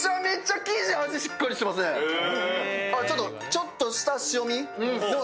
ちょっとした塩み。